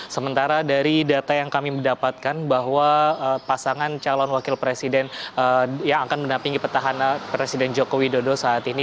sementara dari data yang kami mendapatkan bahwa pasangan calon wakil presiden yang akan mendampingi petahana presiden joko widodo saat ini